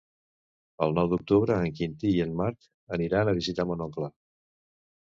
El nou d'octubre en Quintí i en Marc aniran a visitar mon oncle.